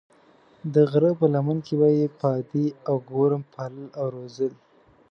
د غره په لمن کې به یې پادې او ګورم پالل او روزل.